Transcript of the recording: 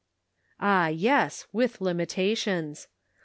Ah, yes, with limitations.